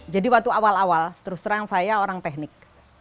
jadi waktu awal awal terus terang saya orang teknik